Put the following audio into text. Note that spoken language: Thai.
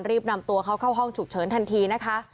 รีบนำตัวเขาเข้าห้องฉุกเฉินทันทีนะคะ